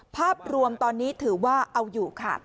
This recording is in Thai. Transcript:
ภาพรวมตอนนี้ถือว่าเอาอยู่ค่ะ